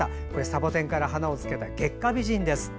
サボテンから花をつけた月下美人です。